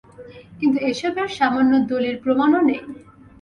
কিন্তু এসবের সামান্য দলিল-প্রমাণও নেই।